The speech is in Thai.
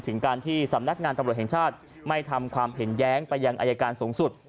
ถึงการที่สำนักงานตำรวจแห่งชาติไม่ทำความเห็นแย้งไปยังอายการสูงสุด